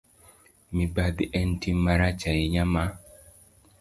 Mibadhi en tim marach ahinya ma